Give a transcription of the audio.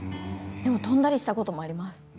でも飛んだりしたこともあります。